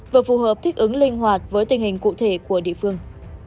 vừa phù hợp thích ứng linh hoạt với tình hình cụ thể của địa phương